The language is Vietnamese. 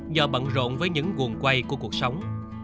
do bận rộn với những nguồn quay của cuộc sống